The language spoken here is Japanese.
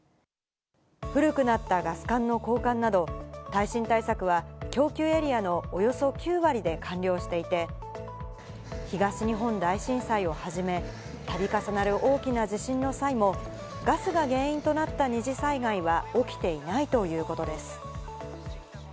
古くなったガス管の交換など、耐震対策は供給エリアのおよそ９割で完了していて、東日本大震災をはじめ、たび重なる大きな地震の際も、ガスが原因となった二次災害は起きていないということです。